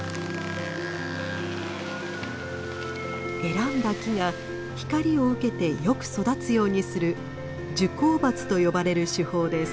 選んだ木が光を受けてよく育つようにする「受光伐」と呼ばれる手法です。